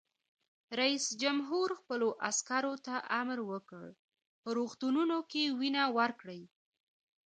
رئیس جمهور خپلو عسکرو ته امر وکړ؛ په روغتونونو کې وینه ورکړئ!